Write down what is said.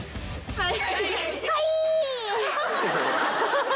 はい。